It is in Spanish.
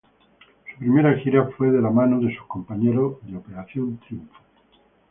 Su primera gira fue de la mano de sus compañeros de "Operación Triunfo".